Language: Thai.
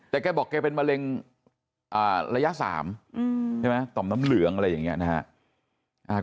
แต่แกบอกแกเป็นมะเร็งระยะ๓ใช่ไหมต่อมน้ำเหลืองอะไรอย่างนี้นะครับ